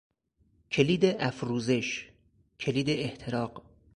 کلید افروزش، کلید احتراق